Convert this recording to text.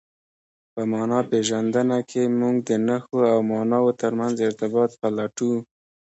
په مانا پېژندنه کښي موږ د نخښو او ماناوو ترمنځ ارتباط پلټو.